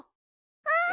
うん！